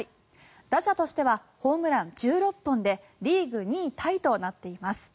打者としてはホームラン１６本でリーグ２位タイとなっています。